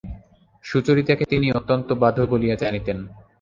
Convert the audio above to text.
সুচরিতাকে তিনি অত্যন্ত বাধ্য বলিয়া জানিতেন।